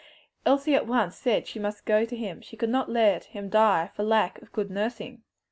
Elsie at once said she must go to him, she could not let him die for lack of good nursing.